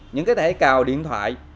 những thẻ cào điện thoại